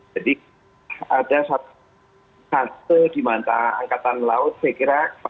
jadi ada satu di mana angkatan laut saya kira